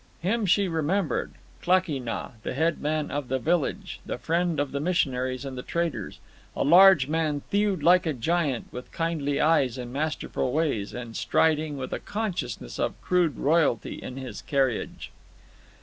Him she remembered—Klakee Nah, the headman of the village, the friend of the missionaries and the traders, a large man thewed like a giant, with kindly eyes and masterful ways, and striding with a consciousness of crude royalty in his carriage.